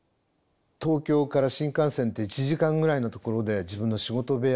東京から新幹線で１時間ぐらいのところで自分の仕事部屋があります。